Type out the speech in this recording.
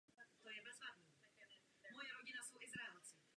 Historicky nejlepší výsledek českého závodníka v první sezóně.